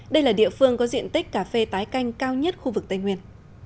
đây là địa phương có diện tích cà phê tái canh cao nhất khu vực tây nguyên